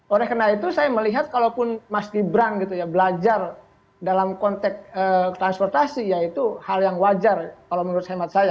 oleh karena itu saya melihat kalau pun mas gibran gitu ya belajar dalam konteks transportasi yaitu hal yang wajar kalau menurut saya